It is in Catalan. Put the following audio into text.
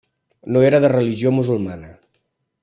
No era de religió musulmana.